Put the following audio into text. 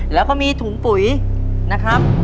แล้วก็มีถุงปุ๋ยนะครับ